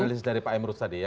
analisis dari pak emrus tadi ya